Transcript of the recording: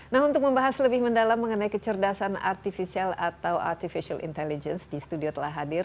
nah untuk membahas lebih mendalam mengenai kecerdasan artificial atau artificial intelligence di studio telah hadir